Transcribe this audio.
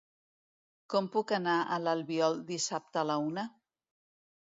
Com puc anar a l'Albiol dissabte a la una?